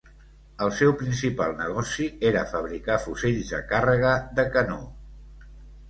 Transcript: El seu principal negoci era fabricar fusells de càrrega de canó.